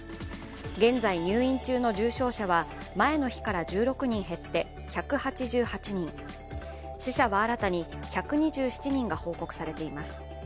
現在、入院中の重症者は前の日から１６人減って１８８人死者は新たに１２７人が報告されています。